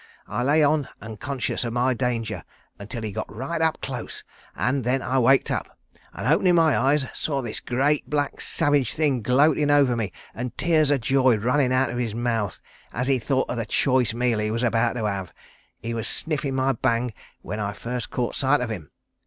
I lay on unconscious of my danger, until he got right up close, an' then I waked up, an' openin' my eyes saw this great black savage thing gloatin' over me an' tears of joy runnin' out of his mouth as he thought of the choice meal he was about to have. He was sniffin' my bang when I first caught sight of him."